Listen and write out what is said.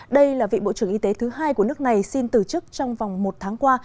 đây là vị bộ trưởng y tế thứ hai của nước này xin từ chức trong vòng một tháng qua